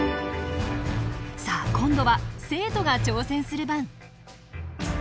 さあ今度は生徒が挑戦する番。